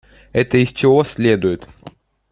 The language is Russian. Это из чего следует?